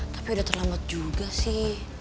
tapi ada terlambat juga sih